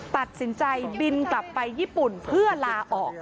ตัดสินใจบินกลับไปญี่ปุ่นเพื่อลาออก